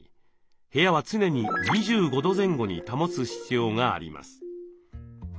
部屋は常に２５度前後に保つ必要があります。